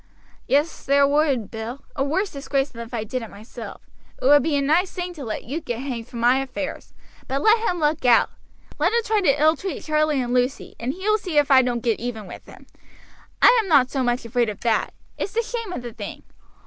"Yes, there would, Bill a worse disgrace than if I did it myself. It would be a nice thing to let you get hanged for my affairs; but let him look out let him try to ill treat Charlie and Lucy, and he will see if I don't get even with him. I am not so much afraid of that it's the shame of the thing.